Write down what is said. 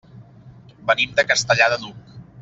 Venim de Castellar de n'Hug.